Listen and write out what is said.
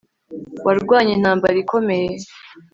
warwanye intambara ikomeye